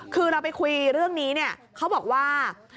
คือเราไปคุยเรื่องนี้เนี่ยเขาบอกว่า